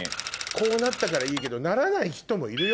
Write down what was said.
こうなったからいいけどならない人もいるよ。